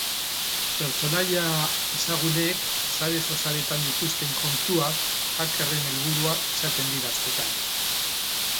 Pertsonaia ezagunek sare sozialetan dituzten kontuak hackerren helburua izaten dira askotan.